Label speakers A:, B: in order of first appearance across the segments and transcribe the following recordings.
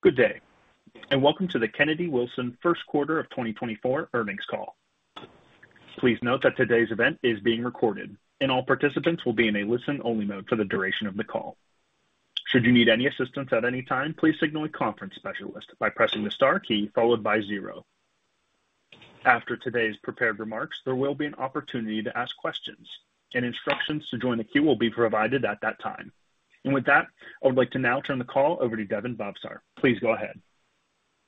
A: Good day and welcome to the Kennedy-Wilson first quarter of 2024 earnings call. Please note that today's event is being recorded, and all participants will be in a listen-only mode for the duration of the call. Should you need any assistance at any time, please signal a conference specialist by pressing the star key followed by zero. After today's prepared remarks, there will be an opportunity to ask questions, and instructions to join the queue will be provided at that time. With that, I would like to now turn the call over to Daven Bhavsar. Please go ahead.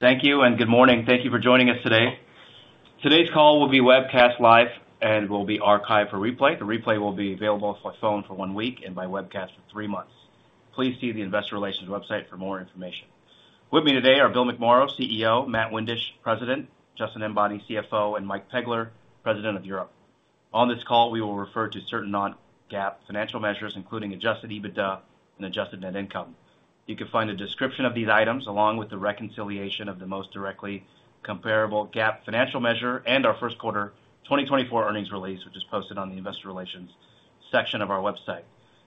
B: Thank you and good morning. Thank you for joining us today. Today's call will be webcast live and will be archived for replay. The replay will be available for phone for one week and by webcast for three months. Please see the investor relations website for more information. With me today are Bill McMorrow, CEO; Matt Windisch, President; Justin Enbody, CFO; and Mike Pegler, President of Europe. On this call, we will refer to certain non-GAAP financial measures, including adjusted EBITDA and adjusted net income. You can find a description of these items along with the reconciliation of the most directly comparable GAAP financial measure and our first quarter 2024 earnings release, which is posted on the investor relations section of our website.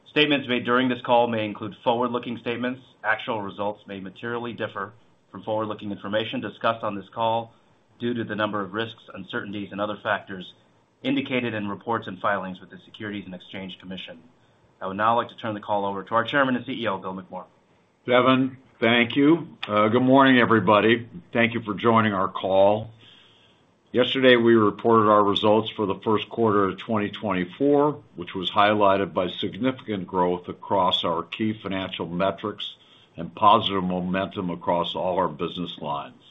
B: Statements made during this call may include forward-looking statements. Actual results may materially differ from forward-looking information discussed on this call due to the number of risks, uncertainties, and other factors indicated in reports and filings with the Securities and Exchange Commission. I would now like to turn the call over to our Chairman and CEO, Bill McMorrow.
C: Daven, thank you. Good morning, everybody. Thank you for joining our call. Yesterday, we reported our results for the first quarter of 2024, which was highlighted by significant growth across our key financial metrics and positive momentum across all our business lines.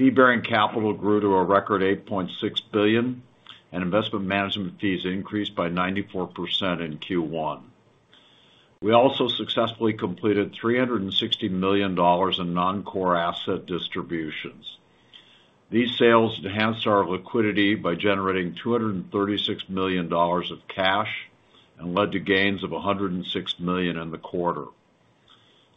C: Fee-bearing capital grew to a record $8.6 billion, and investment management fees increased by 94% in Q1. We also successfully completed $360 million in non-core asset distributions. These sales enhanced our liquidity by generating $236 million of cash and led to gains of $106 million in the quarter.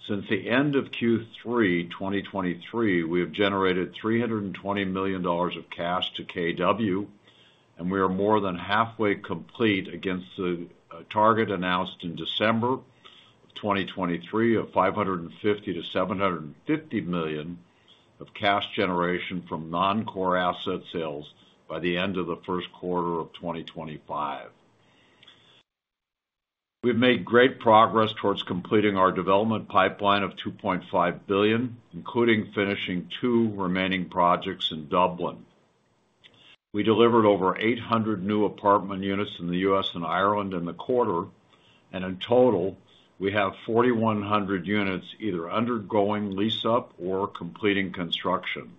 C: Since the end of Q3 2023, we have generated $320 million of cash to KW, and we are more than halfway complete against the target announced in December of 2023 of $550 million-$750 million of cash generation from non-core asset sales by the end of the first quarter of 2025. We've made great progress towards completing our development pipeline of $2.5 billion, including finishing two remaining projects in Dublin. We delivered over 800 new apartment units in the US and Ireland in the quarter, and in total, we have 4,100 units either undergoing lease-up or completing construction,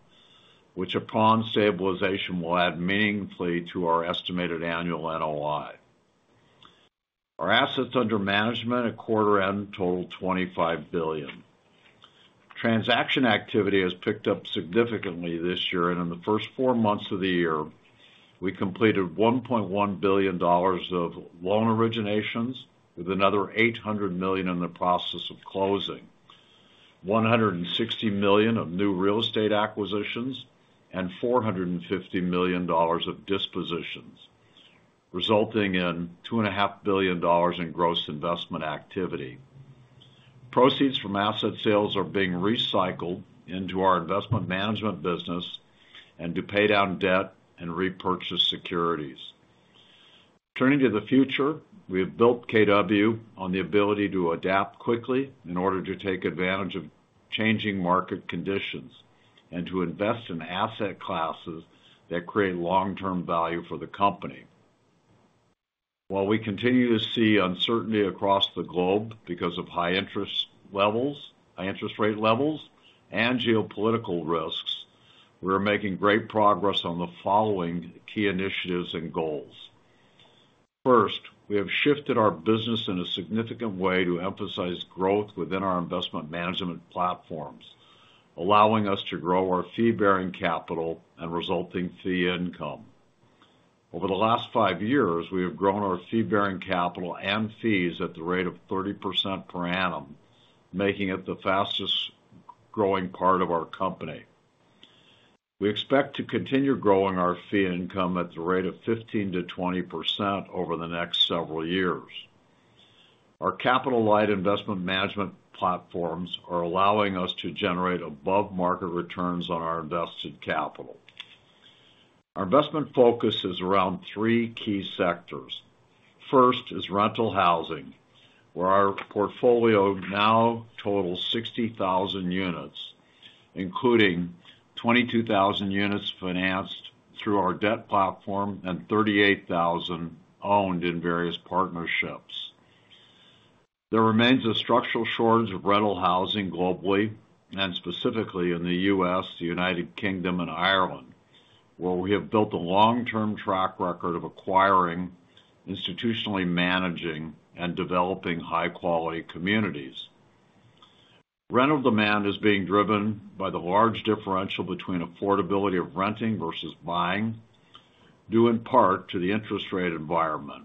C: which upon stabilization will add meaningfully to our estimated annual NOI. Our assets under management at quarter end total $25 billion. Transaction activity has picked up significantly this year, and in the first four months of the year, we completed $1.1 billion of loan originations, with another $800 million in the process of closing, $160 million of new real estate acquisitions, and $450 million of dispositions, resulting in $2.5 billion in gross investment activity. Proceeds from asset sales are being recycled into our investment management business and to pay down debt and repurchase securities. Turning to the future, we have built KW on the ability to adapt quickly in order to take advantage of changing market conditions and to invest in asset classes that create long-term value for the company. While we continue to see uncertainty across the globe because of high interest rate levels and geopolitical risks, we are making great progress on the following key initiatives and goals. First, we have shifted our business in a significant way to emphasize growth within our investment management platforms, allowing us to grow our fee-bearing capital and resulting fee income. Over the last five years, we have grown our fee-bearing capital and fees at the rate of 30% per annum, making it the fastest-growing part of our company. We expect to continue growing our fee income at the rate of 15%-20% over the next several years. Our capital light investment management platforms are allowing us to generate above-market returns on our invested capital. Our investment focus is around three key sectors. First is rental housing, where our portfolio now totals 60,000 units, including 22,000 units financed through our debt platform and 38,000 owned in various partnerships. There remains a structural shortage of rental housing globally, and specifically in the U.S., the United Kingdom, and Ireland, where we have built a long-term track record of acquiring, institutionally managing, and developing high-quality communities. Rental demand is being driven by the large differential between affordability of renting versus buying, due in part to the interest rate environment.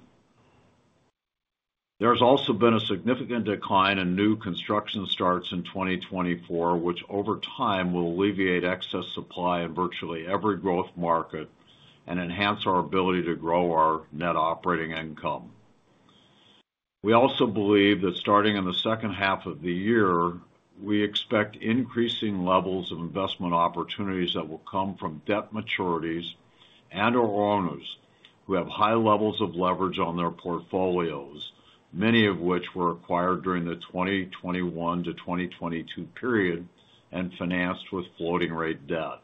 C: There has also been a significant decline in new construction starts in 2024, which over time will alleviate excess supply in virtually every growth market and enhance our ability to grow our net operating income. We also believe that starting in the second half of the year, we expect increasing levels of investment opportunities that will come from debt maturities and/or owners who have high levels of leverage on their portfolios, many of which were acquired during the 2021 to 2022 period and financed with floating-rate debt.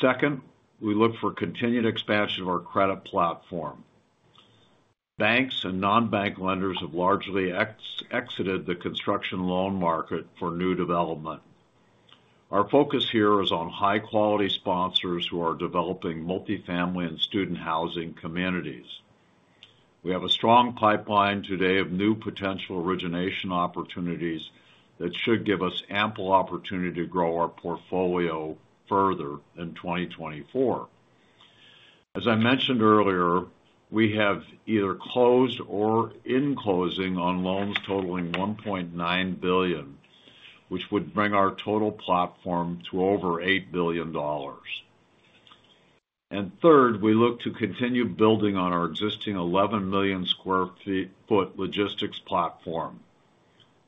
C: Second, we look for continued expansion of our credit platform. Banks and non-bank lenders have largely exited the construction loan market for new development. Our focus here is on high-quality sponsors who are developing multifamily and student housing communities. We have a strong pipeline today of new potential origination opportunities that should give us ample opportunity to grow our portfolio further in 2024. As I mentioned earlier, we have either closed or in closing on loans totaling $1.9 billion, which would bring our total platform to over $8 billion. And third, we look to continue building on our existing 11 million sq ft logistics platform.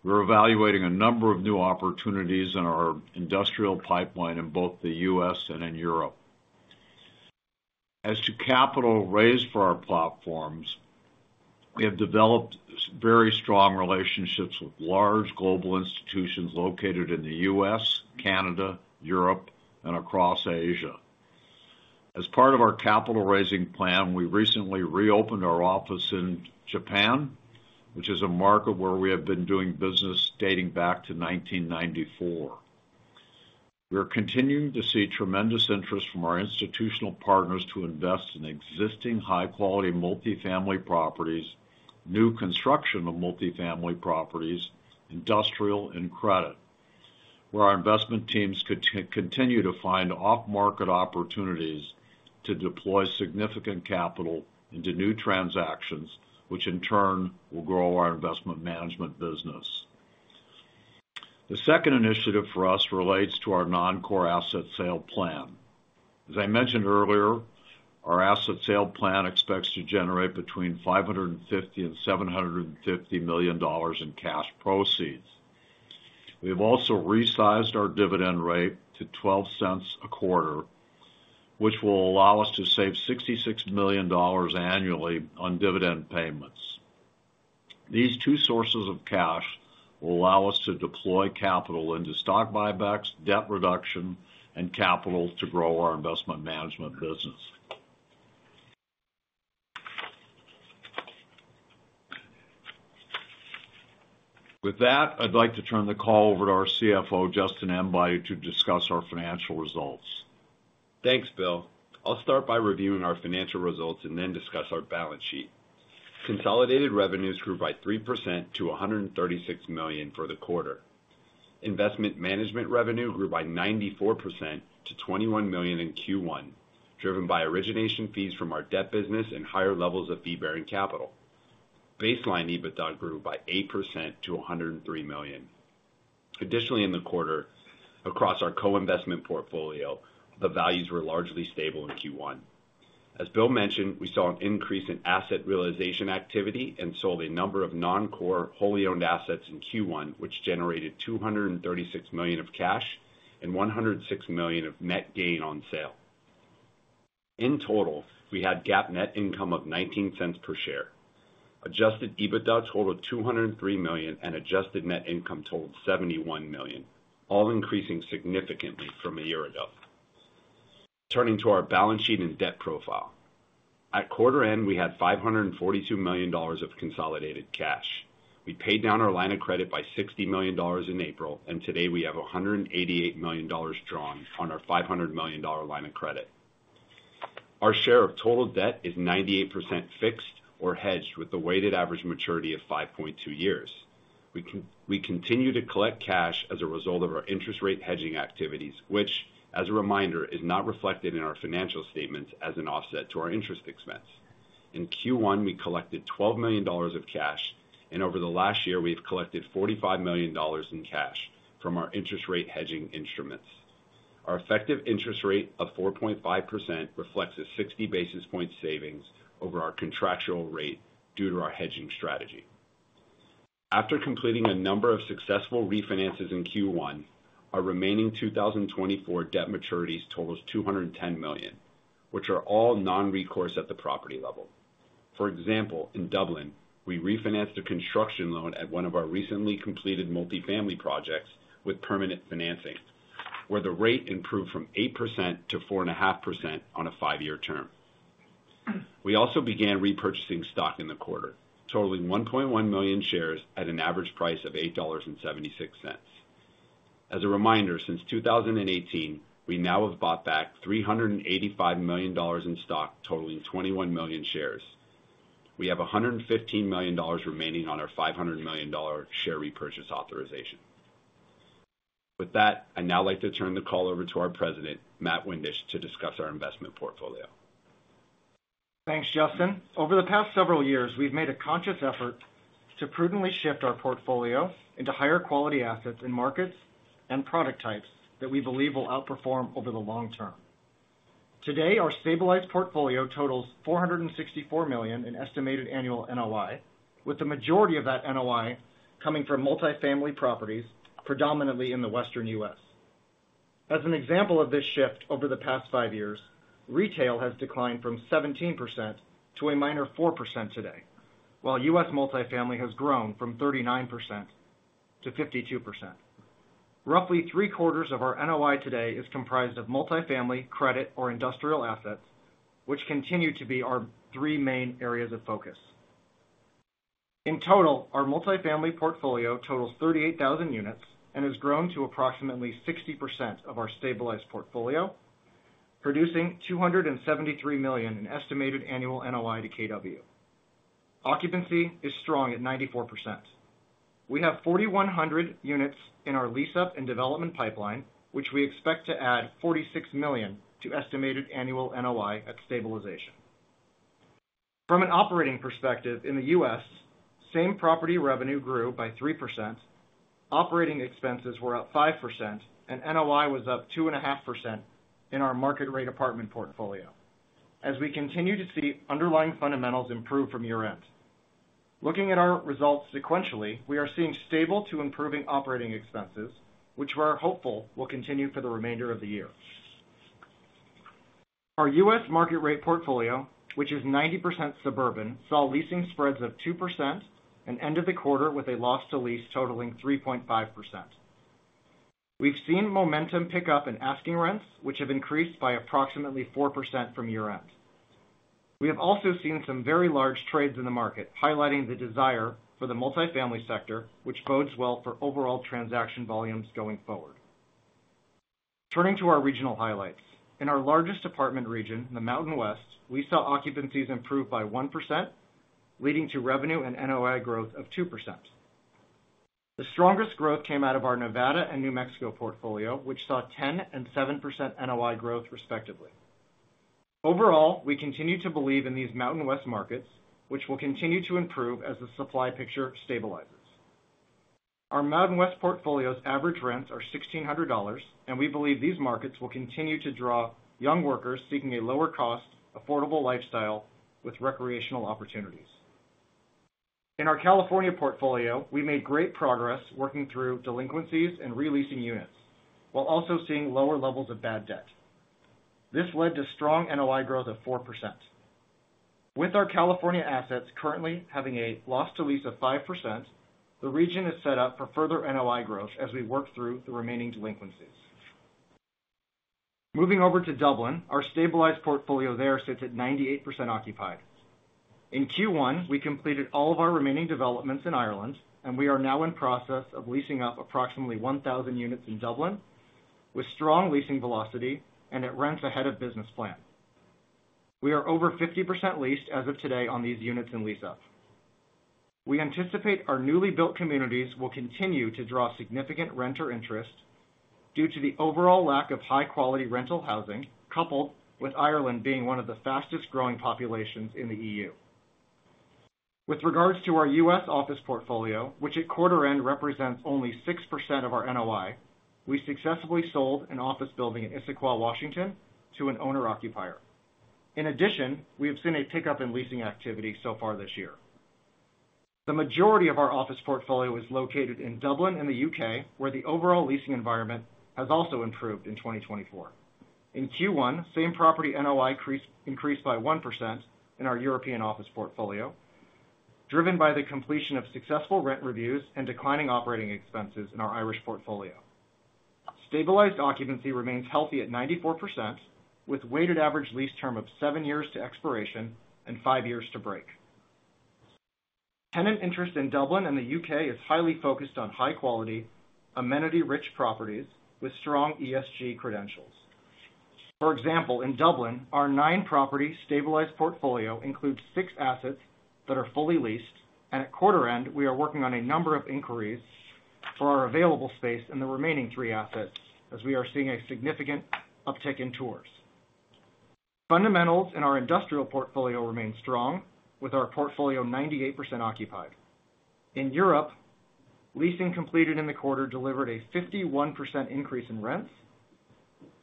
C: We're evaluating a number of new opportunities in our industrial pipeline in both the U.S. and in Europe. As to capital raised for our platforms, we have developed very strong relationships with large global institutions located in the U.S., Canada, Europe, and across Asia. As part of our capital raising plan, we recently reopened our office in Japan, which is a market where we have been doing business dating back to 1994. We are continuing to see tremendous interest from our institutional partners to invest in existing high-quality multifamily properties, new construction of multifamily properties, industrial, and credit, where our investment teams could continue to find off-market opportunities to deploy significant capital into new transactions, which in turn will grow our investment management business. The second initiative for us relates to our non-core asset sale plan. As I mentioned earlier, our asset sale plan expects to generate between $550 million-$750 million in cash proceeds. We have also resized our dividend rate to $0.12 a quarter, which will allow us to save $66 million annually on dividend payments. These two sources of cash will allow us to deploy capital into stock buybacks, debt reduction, and capital to grow our investment management business. With that, I'd like to turn the call over to our CFO, Justin Enbody, to discuss our financial results.
D: Thanks, Bill. I'll start by reviewing our financial results and then discuss our balance sheet. Consolidated revenues grew by 3% to $136 million for the quarter. Investment management revenue grew by 94% to $21 million in Q1, driven by origination fees from our debt business and higher levels of fee-bearing capital. Baseline EBITDA grew by 8% to $103 million. Additionally, in the quarter, across our co-investment portfolio, the values were largely stable in Q1. As Bill mentioned, we saw an increase in asset realization activity and sold a number of non-core wholly owned assets in Q1, which generated $236 million of cash and $106 million of net gain on sale. In total, we had GAAP net income of $0.19 per share, adjusted EBITDA totaled $203 million, and adjusted net income totaled $71 million, all increasing significantly from a year ago. Turning to our balance sheet and debt profile, at quarter end, we had $542 million of consolidated cash. We paid down our line of credit by $60 million in April, and today we have $188 million drawn on our $500 million line of credit. Our share of total debt is 98% fixed or hedged with a weighted average maturity of 5.2 years. We continue to collect cash as a result of our interest rate hedging activities, which, as a reminder, is not reflected in our financial statements as an offset to our interest expense. In Q1, we collected $12 million of cash, and over the last year, we have collected $45 million in cash from our interest rate hedging instruments. Our effective interest rate of 4.5% reflects a 60 basis points savings over our contractual rate due to our hedging strategy. After completing a number of successful refinances in Q1, our remaining 2024 debt maturities totaled $210 million, which are all non-recourse at the property level. For example, in Dublin, we refinanced a construction loan at one of our recently completed multifamily projects with permanent financing, where the rate improved from 8%-4.5% on a five-year term. We also began repurchasing stock in the quarter, totaling 1.1 million shares at an average price of $8.76. As a reminder, since 2018, we now have bought back $385 million in stock, totaling 21 million shares. We have $115 million remaining on our $500 million share repurchase authorization. With that, I'd now like to turn the call over to our President, Matt Windisch, to discuss our investment portfolio.
E: Thanks, Justin. Over the past several years, we've made a conscious effort to prudently shift our portfolio into higher quality assets in markets and product types that we believe will outperform over the long term. Today, our stabilized portfolio totals $464 million in estimated annual NOI, with the majority of that NOI coming from multifamily properties, predominantly in the western U.S. As an example of this shift over the past five years, retail has declined from 17% to a minor 4% today, while U.S. multifamily has grown from 39% to 52%. Roughly three-quarters of our NOI today is comprised of multifamily, credit, or industrial assets, which continue to be our three main areas of focus. In total, our multifamily portfolio totals 38,000 units and has grown to approximately 60% of our stabilized portfolio, producing $273 million in estimated annual NOI to KW. Occupancy is strong at 94%. We have 4,100 units in our lease-up and development pipeline, which we expect to add $46 million to estimated annual NOI at stabilization. From an operating perspective, in the U.S., same property revenue grew by 3%, operating expenses were up 5%, and NOI was up 2.5% in our market-rate apartment portfolio, as we continue to see underlying fundamentals improve from year end. Looking at our results sequentially, we are seeing stable to improving operating expenses, which we are hopeful will continue for the remainder of the year. Our U.S. market-rate portfolio, which is 90% suburban, saw leasing spreads of 2% and ended the quarter with a loss to lease totaling 3.5%. We've seen momentum pick up in asking rents, which have increased by approximately 4% from year end. We have also seen some very large trades in the market, highlighting the desire for the multifamily sector, which bodes well for overall transaction volumes going forward. Turning to our regional highlights, in our largest apartment region, the Mountain West, we saw occupancies improve by 1%, leading to revenue and NOI growth of 2%. The strongest growth came out of our Nevada and New Mexico portfolio, which saw 10% and 7% NOI growth, respectively. Overall, we continue to believe in these Mountain West markets, which will continue to improve as the supply picture stabilizes. Our Mountain West portfolio's average rents are $1,600, and we believe these markets will continue to draw young workers seeking a lower cost, affordable lifestyle, with recreational opportunities. In our California portfolio, we made great progress working through delinquencies and releasing units, while also seeing lower levels of bad debt. This led to strong NOI growth of 4%. With our California assets currently having a loss to lease of 5%, the region is set up for further NOI growth as we work through the remaining delinquencies. Moving over to Dublin, our stabilized portfolio there sits at 98% occupied. In Q1, we completed all of our remaining developments in Ireland, and we are now in process of leasing up approximately 1,000 units in Dublin with strong leasing velocity and at rents ahead of business plan. We are over 50% leased as of today on these units in lease-up. We anticipate our newly built communities will continue to draw significant renter interest due to the overall lack of high-quality rental housing, coupled with Ireland being one of the fastest-growing populations in the EU. With regards to our US office portfolio, which at quarter end represents only 6% of our NOI, we successfully sold an office building in Issaquah, Washington, to an owner-occupier. In addition, we have seen a pickup in leasing activity so far this year. The majority of our office portfolio is located in Dublin in the U.K., where the overall leasing environment has also improved in 2024. In Q1, same property NOI increased by 1% in our European office portfolio, driven by the completion of successful rent reviews and declining operating expenses in our Irish portfolio. Stabilized occupancy remains healthy at 94%, with weighted average lease term of seven years to expiration and five years to break. Tenant interest in Dublin and the U.K. is highly focused on high-quality, amenity-rich properties with strong ESG credentials. For example, in Dublin, our 9-property stabilized portfolio includes 6 assets that are fully leased, and at quarter end, we are working on a number of inquiries for our available space in the remaining 3 assets as we are seeing a significant uptick in tours. Fundamentals in our industrial portfolio remain strong, with our portfolio 98% occupied. In Europe, leasing completed in the quarter delivered a 51% increase in rents.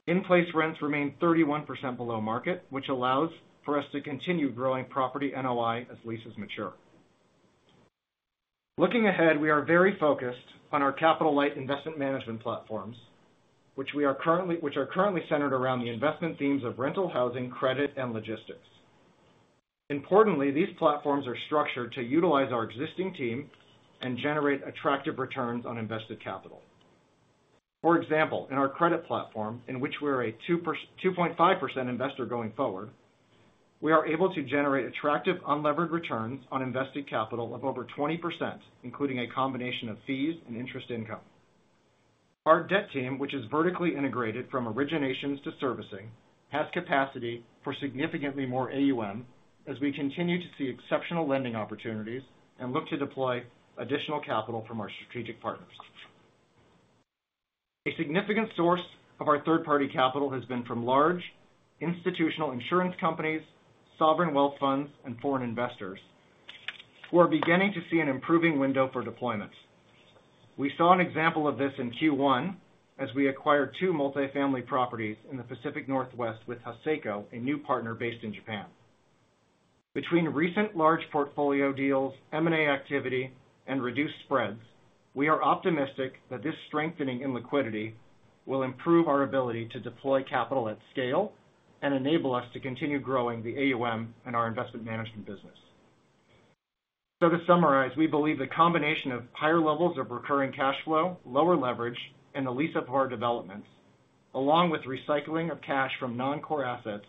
E: In-place rents remain 31% below market, which allows for us to continue growing property NOI as leases mature. Looking ahead, we are very focused on our capital-light investment management platforms, which are currently centered around the investment themes of rental housing, credit, and logistics. Importantly, these platforms are structured to utilize our existing team and generate attractive returns on invested capital. For example, in our credit platform, in which we're a 2.5% investor going forward, we are able to generate attractive unlevered returns on invested capital of over 20%, including a combination of fees and interest income. Our debt team, which is vertically integrated from originations to servicing, has capacity for significantly more AUM as we continue to see exceptional lending opportunities and look to deploy additional capital from our strategic partners. A significant source of our third-party capital has been from large institutional insurance companies, sovereign wealth funds, and foreign investors, who are beginning to see an improving window for deployment. We saw an example of this in Q1 as we acquired two multifamily properties in the Pacific Northwest with Haseko, a new partner based in Japan. Between recent large portfolio deals, M&A activity, and reduced spreads, we are optimistic that this strengthening in liquidity will improve our ability to deploy capital at scale and enable us to continue growing the AUM and our investment management business. So to summarize, we believe the combination of higher levels of recurring cash flow, lower leverage, and the lease-up of our developments, along with recycling of cash from non-core assets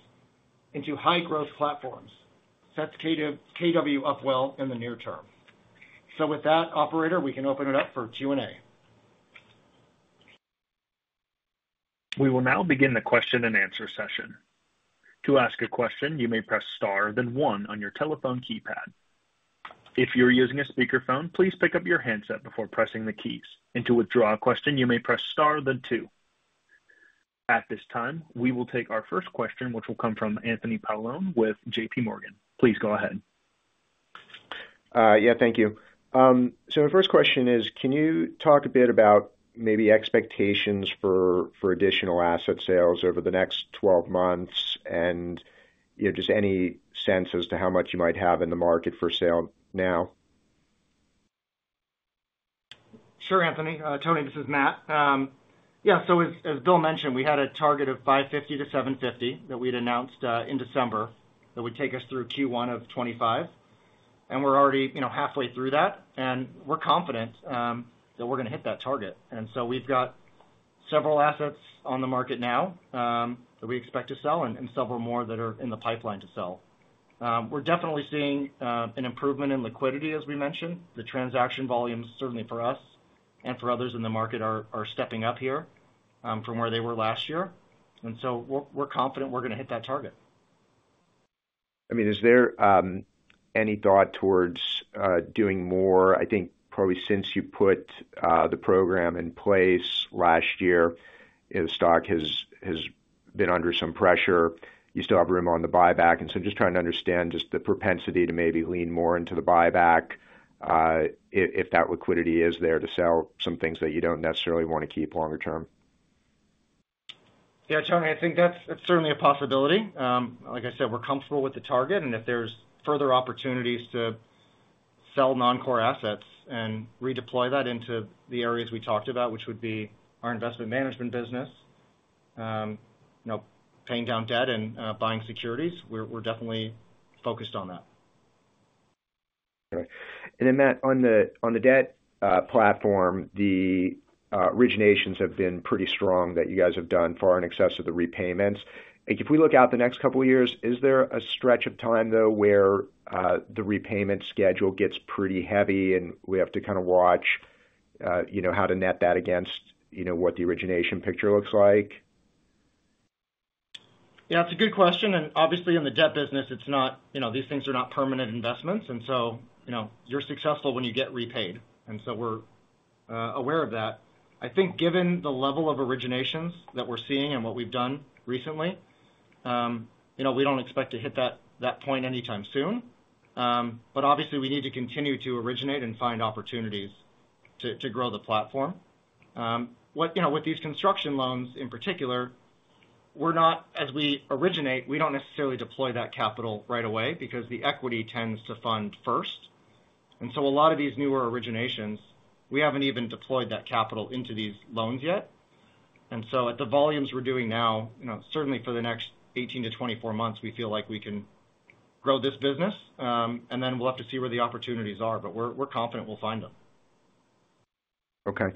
E: into high-growth platforms, sets KW up well in the near term. So with that, operator, we can open it up for Q&A.
A: We will now begin the question-and-answer session. To ask a question, you may press star then one on your telephone keypad. If you're using a speakerphone, please pick up your handset before pressing the keys. To withdraw a question, you may press star then two. At this time, we will take our first question, which will come from Anthony Paolone with JPMorgan. Please go ahead.
F: Yeah, thank you. So my first question is, can you talk a bit about maybe expectations for additional asset sales over the next 12 months and just any sense as to how much you might have in the market for sale now?
E: Sure, Anthony. Tony, this is Matt. Yeah, so as Bill mentioned, we had a target of $550 -$750 that we'd announced in December that would take us through Q1 of 2025. We're already halfway through that, and we're confident that we're going to hit that target. We've got several assets on the market now that we expect to sell and several more that are in the pipeline to sell. We're definitely seeing an improvement in liquidity, as we mentioned. The transaction volumes, certainly for us and for others in the market, are stepping up here from where they were last year. We're confident we're going to hit that target.
F: I mean, is there any thought towards doing more? I think probably since you put the program in place last year, the stock has been under some pressure. You still have room on the buyback. And so just trying to understand just the propensity to maybe lean more into the buyback if that liquidity is there to sell some things that you don't necessarily want to keep longer term.
E: Yeah, Tony, I think that's certainly a possibility. Like I said, we're comfortable with the target. And if there's further opportunities to sell non-core assets and redeploy that into the areas we talked about, which would be our investment management business, paying down debt and buying securities, we're definitely focused on that.
F: All right. And then, Matt, on the debt platform, the originations have been pretty strong that you guys have done far in excess of the repayments. If we look out the next couple of years, is there a stretch of time, though, where the repayment schedule gets pretty heavy and we have to kind of watch how to net that against what the origination picture looks like?
E: Yeah, it's a good question. Obviously, in the debt business, these things are not permanent investments. So you're successful when you get repaid. So we're aware of that. I think given the level of originations that we're seeing and what we've done recently, we don't expect to hit that point anytime soon. But obviously, we need to continue to originate and find opportunities to grow the platform. With these construction loans, in particular, as we originate, we don't necessarily deploy that capital right away because the equity tends to fund first. So a lot of these newer originations, we haven't even deployed that capital into these loans yet. So at the volumes we're doing now, certainly for the next 18-24 months, we feel like we can grow this business. Then we'll have to see where the opportunities are. But we're confident we'll find them.
F: Okay.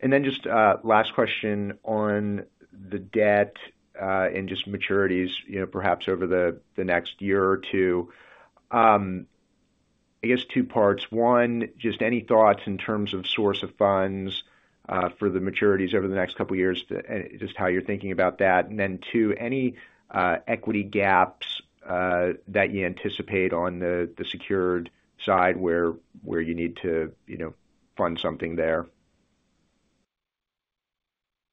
F: And then just last question on the debt and just maturities, perhaps over the next year or two. I guess two parts. One, just any thoughts in terms of source of funds for the maturities over the next couple of years, just how you're thinking about that. And then two, any equity gaps that you anticipate on the secured side where you need to fund something there?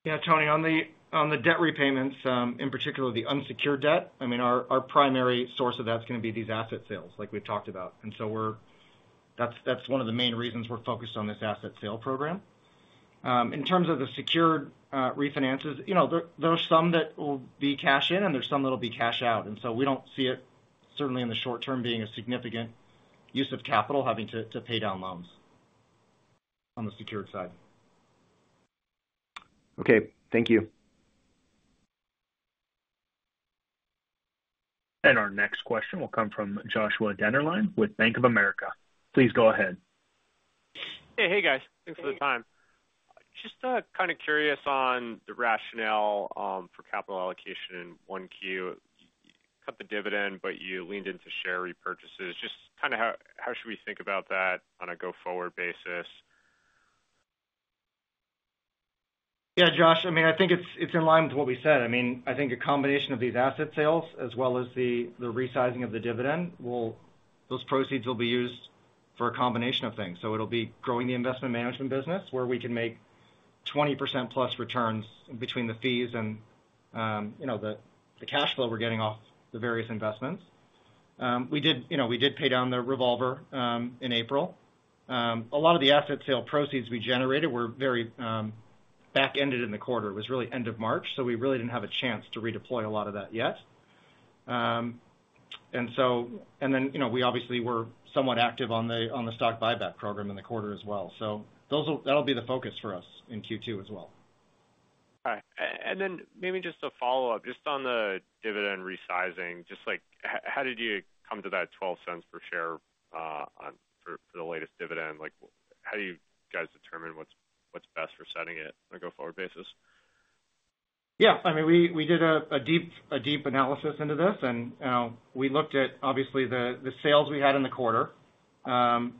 E: Yeah, Tony, on the debt repayments, in particular, the unsecured debt, I mean, our primary source of that's going to be these asset sales, like we've talked about. And so that's one of the main reasons we're focused on this asset sale program. In terms of the secured refinances, there's some that will be cash in, and there's some that'll be cash out. And so we don't see it, certainly in the short term, being a significant use of capital having to pay down loans on the secured side.
F: Okay. Thank you.
A: Our next question will come from Joshua Dennerline with Bank of America. Please go ahead.
G: Hey, guys. Thanks for the time. Just kind of curious on the rationale for capital allocation in 1Q. You cut the dividend, but you leaned into share repurchases. Just kind of how should we think about that on a go-forward basis?
E: Yeah, Josh, I mean, I think it's in line with what we said. I mean, I think a combination of these asset sales as well as the resizing of the dividend, those proceeds will be used for a combination of things. So it'll be growing the investment management business where we can make 20%+ returns between the fees and the cash flow we're getting off the various investments. We did pay down the revolver in April. A lot of the asset sale proceeds we generated were very back-ended in the quarter. It was really end of March. So we really didn't have a chance to redeploy a lot of that yet. And then we obviously were somewhat active on the stock buyback program in the quarter as well. So that'll be the focus for us in Q2 as well.
G: All right. And then maybe just a follow-up. Just on the dividend resizing, just how did you come to that $0.12 per share for the latest dividend? How do you guys determine what's best for setting it on a go-forward basis?
E: Yeah. I mean, we did a deep analysis into this. And we looked at, obviously, the sales we had in the quarter in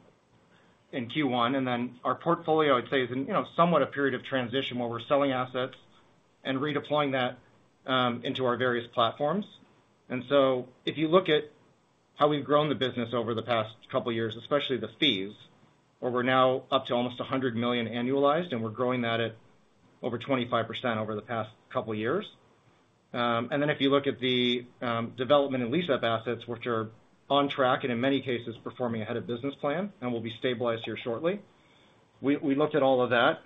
E: Q1. And then our portfolio, I'd say, is in somewhat a period of transition where we're selling assets and redeploying that into our various platforms. And so if you look at how we've grown the business over the past couple of years, especially the fees, where we're now up to almost $100 million annualized, and we're growing that at over 25% over the past couple of years. And then if you look at the development and lease-up assets, which are on track and in many cases performing ahead of business plan and will be stabilized here shortly, we looked at all of that.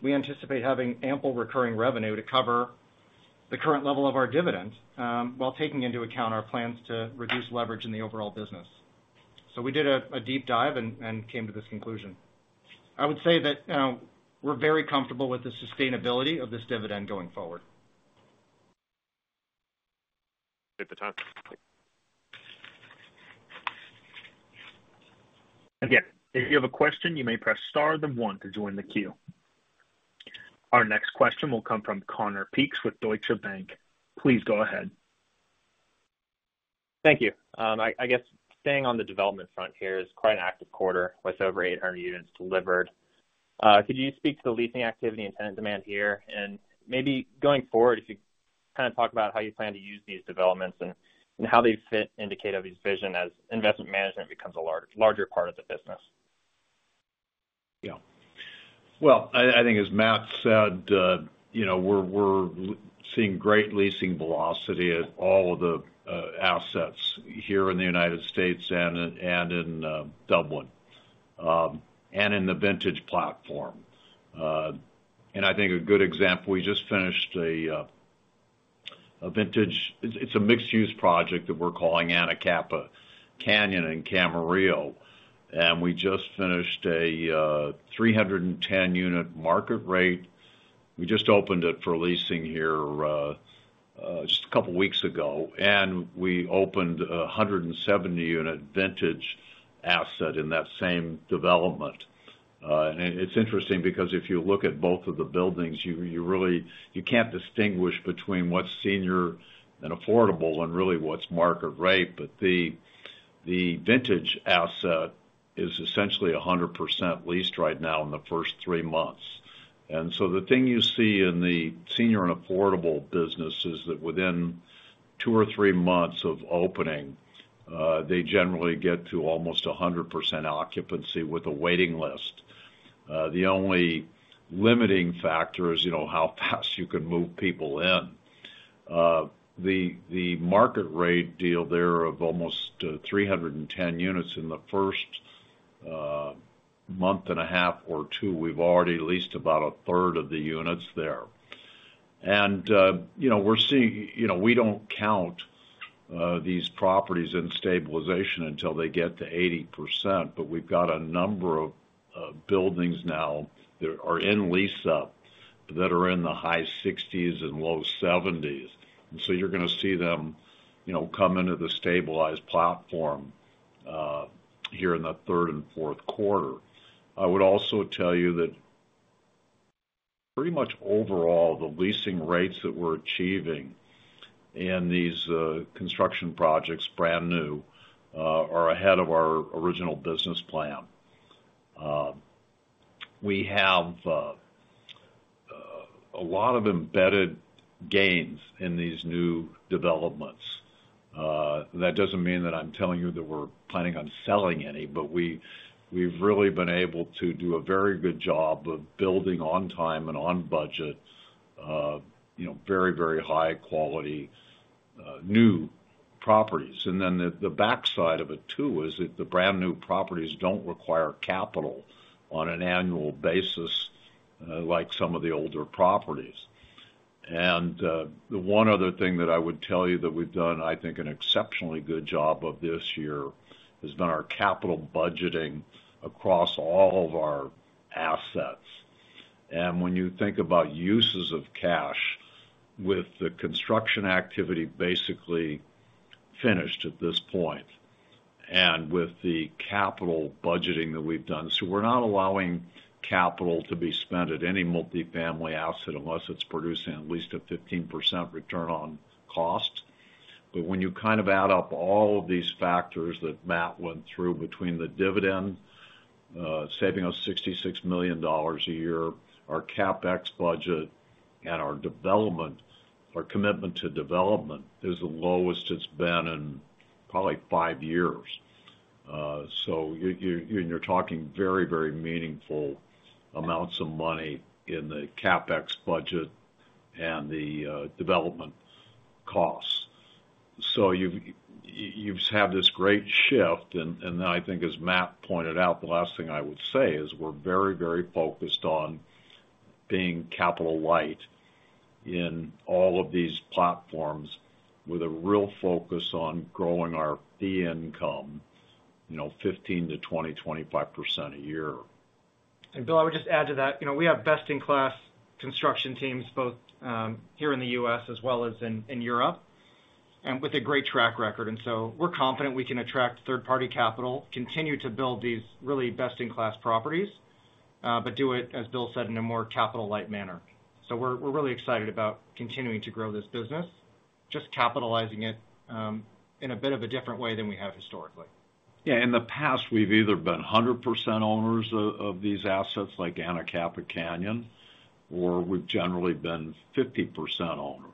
E: We anticipate having ample recurring revenue to cover the current level of our dividend while taking into account our plans to reduce leverage in the overall business. We did a deep dive and came to this conclusion. I would say that we're very comfortable with the sustainability of this dividend going forward.
G: Take the time.
A: Again, if you have a question, you may press star then 1 to join the queue. Our next question will come from Connor Peaks with Deutsche Bank. Please go ahead.
H: Thank you. I guess staying on the development front here, it's quite an active quarter with over 800 units delivered. Could you speak to the leasing activity and tenant demand here? Maybe going forward, if you kind of talk about how you plan to use these developments and how they fit into KW's vision as investment management becomes a larger part of the business.
C: Yeah. Well, I think as Matt said, we're seeing great leasing velocity at all of the assets here in the United States and in Dublin and in the Vintage platform. And I think a good example, we just finished a Vintage it's a mixed-use project that we're calling Anacapa Canyon in Camarillo. And we just finished a 310-unit market rate. We just opened it for leasing here just a couple of weeks ago. And we opened a 170-unit Vintage asset in that same development. And it's interesting because if you look at both of the buildings, you can't distinguish between what's senior and affordable and really what's market rate. But the Vintage asset is essentially 100% leased right now in the first three months. The thing you see in the senior and affordable business is that within two or three months of opening, they generally get to almost 100% occupancy with a waiting list. The only limiting factor is how fast you can move people in. The market rate deal there of almost 310 units, in the first month and a half or two, we've already leased about a third of the units there. We're seeing we don't count these properties in stabilization until they get to 80%. We've got a number of buildings now that are in lease-up that are in the high 60s and low 70s. You're going to see them come into the stabilized platform here in the third and fourth quarter. I would also tell you that pretty much overall, the leasing rates that we're achieving in these construction projects, brand new, are ahead of our original business plan. We have a lot of embedded gains in these new developments. That doesn't mean that I'm telling you that we're planning on selling any, but we've really been able to do a very good job of building on time and on budget very, very high-quality new properties. And then the backside of it, too, is that the brand new properties don't require capital on an annual basis like some of the older properties. And the one other thing that I would tell you that we've done, I think, an exceptionally good job of this year has been our capital budgeting across all of our assets. When you think about uses of cash, with the construction activity basically finished at this point and with the capital budgeting that we've done so we're not allowing capital to be spent at any multifamily asset unless it's producing at least a 15% return on cost. But when you kind of add up all of these factors that Matt went through between the dividend, saving us $66 million a year, our CapEx budget, and our commitment to development, it's the lowest it's been in probably five years. You're talking very, very meaningful amounts of money in the CapEx budget and the development costs. So you've had this great shift. And then I think, as Matt pointed out, the last thing I would say is we're very, very focused on being capital light in all of these platforms with a real focus on growing our fee income 15%-20%, 25% a year.
E: Bill, I would just add to that. We have best-in-class construction teams both here in the U.S. as well as in Europe with a great track record. So we're confident we can attract third-party capital, continue to build these really best-in-class properties, but do it, as Bill said, in a more capital-light manner. So we're really excited about continuing to grow this business, just capitalizing it in a bit of a different way than we have historically.
C: Yeah. In the past, we've either been 100% owners of these assets like Anacapa Canyon, or we've generally been 50% owners.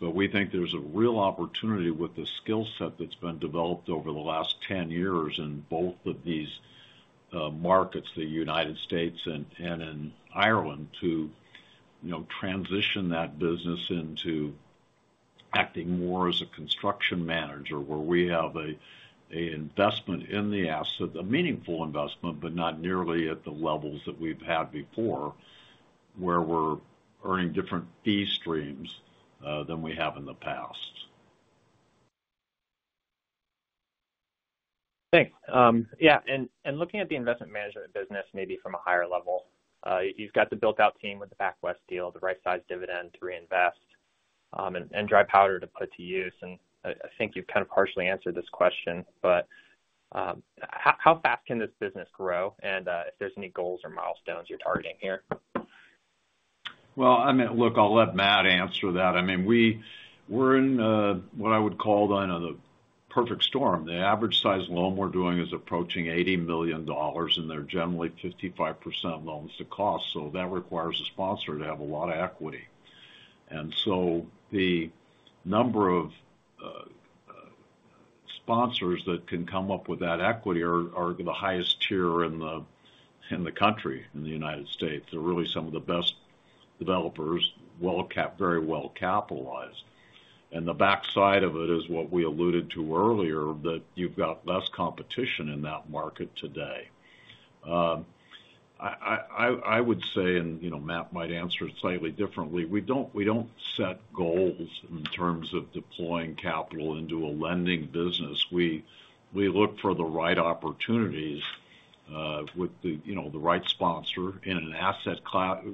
C: But we think there's a real opportunity with the skill set that's been developed over the last 10 years in both of these markets, the United States and in Ireland, to transition that business into acting more as a construction manager where we have an investment in the asset, a meaningful investment, but not nearly at the levels that we've had before where we're earning different fee streams than we have in the past.
H: Thanks. Yeah. And looking at the investment management business maybe from a higher level, you've got the built-out team with the PacWest deal, the right-sized dividend to reinvest and dry powder to put to use. And I think you've kind of partially answered this question. But how fast can this business grow and if there's any goals or milestones you're targeting here?
C: Well, I mean, look, I'll let Matt answer that. I mean, we're in what I would call, I don't know, the perfect storm. The average-sized loan we're doing is approaching $80 million, and they're generally 55% loans to cost. So that requires a sponsor to have a lot of equity. And so the number of sponsors that can come up with that equity are the highest tier in the country, in the United States. They're really some of the best developers, very well capitalized. And the backside of it is what we alluded to earlier, that you've got less competition in that market today. I would say, and Matt might answer it slightly differently, we don't set goals in terms of deploying capital into a lending business. We look for the right opportunities with the right sponsor in an asset class.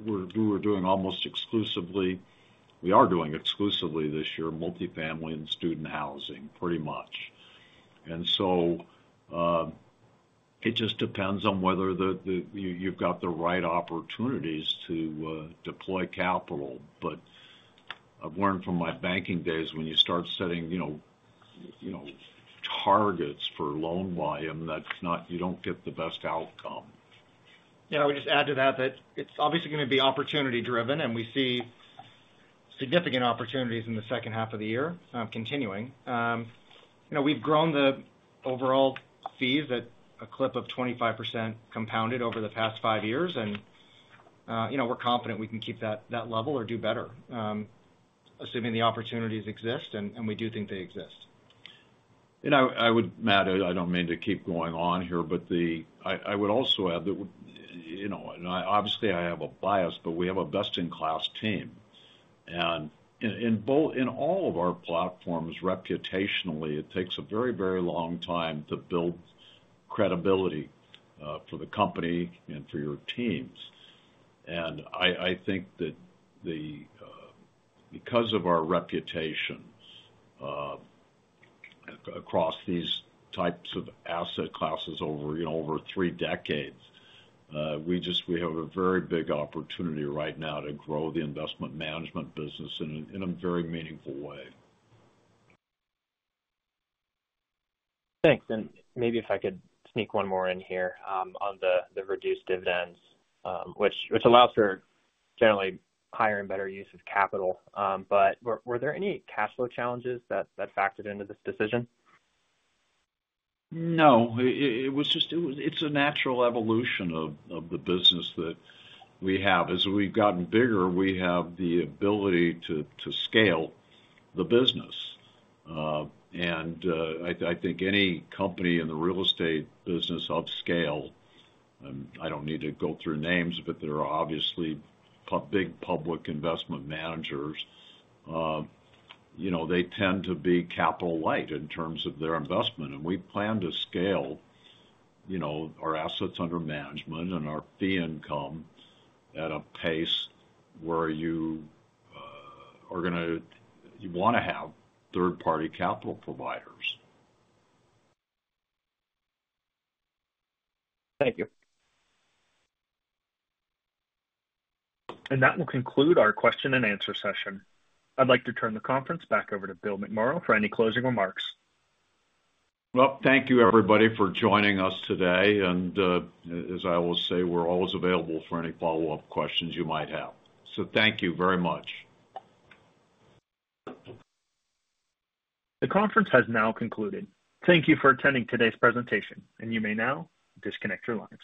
C: We are doing exclusively this year, multifamily and student housing, pretty much. So it just depends on whether you've got the right opportunities to deploy capital. But I've learned from my banking days, when you start setting targets for loan volume, you don't get the best outcome.
E: Yeah. I would just add to that that it's obviously going to be opportunity-driven. We see significant opportunities in the second half of the year continuing. We've grown the overall fees at a clip of 25% compounded over the past five years. We're confident we can keep that level or do better, assuming the opportunities exist. We do think they exist.
C: And Matt, I don't mean to keep going on here, but I would also add that, and obviously, I have a bias, but we have a best-in-class team. And in all of our platforms, reputationally, it takes a very, very long time to build credibility for the company and for your teams. And I think that because of our reputation across these types of asset classes over three decades, we have a very big opportunity right now to grow the investment management business in a very meaningful way.
H: Thanks. Maybe if I could sneak one more in here on the reduced dividends, which allows for generally higher and better use of capital. Were there any cash flow challenges that factored into this decision?
C: No. It's a natural evolution of the business that we have. As we've gotten bigger, we have the ability to scale the business. I think any company in the real estate business of scale and I don't need to go through names, but there are obviously big public investment managers. They tend to be capital light in terms of their investment. We plan to scale our assets under management and our fee income at a pace where you are going to want to have third-party capital providers.
H: Thank you.
A: That will conclude our question-and-answer session. I'd like to turn the conference back over to Bill McMorrow for any closing remarks.
C: Well, thank you, everybody, for joining us today. as I always say, we're always available for any follow-up questions you might have. thank you very much.
A: The conference has now concluded. Thank you for attending today's presentation. You may now disconnect your lines.